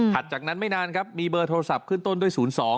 จากนั้นไม่นานครับมีเบอร์โทรศัพท์ขึ้นต้นด้วย๐๒